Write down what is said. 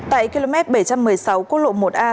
tại km bảy trăm một mươi sáu quốc lộ một a